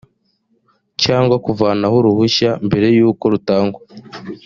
cyangwa kuvanaho uruhushya mbere y’uko rutangwa